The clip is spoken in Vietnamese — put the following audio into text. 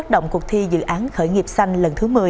động cuộc thi dự án khởi nghiệp xanh lần thứ một mươi